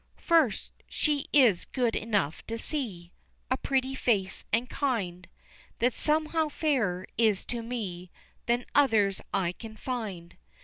First, she is good enough to see A pretty face and kind, That somehow fairer is to me Than others I can find.